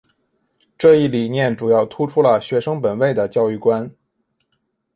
这一理念主要突出了学生本位的教育观。